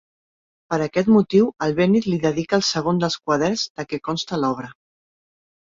Per aquest motiu, Albéniz li dedica el segon dels quaderns de què consta l'obra.